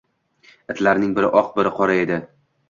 Itlarning biri oq, biri qora edi